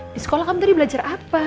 di sekolah kamu tadi belajar apa